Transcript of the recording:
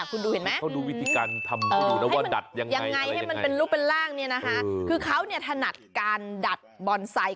คุณดูเห็นไหมอย่างไรให้มันเป็นรูปเป็นร่างนี้นะคะคือเขาเนี่ยถนัดการดัดบอนไซด์